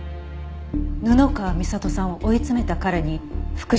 布川美里さんを追い詰めた彼に復讐をしたって事？